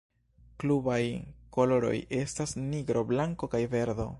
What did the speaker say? Klubaj koloroj estas nigro, blanko kaj verdo.